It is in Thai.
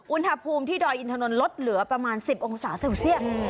อุณหภูมิที่ดอยอินถนนลดเหลือประมาณ๑๐องศาเซลเซียส